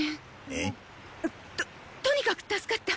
えっ？ととにかく助かった！